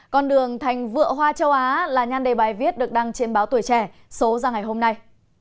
con đường thành vựa hoa châu á là nhan đề bài viết được đăng trên báo tuổi trẻ số ra ngày hôm nay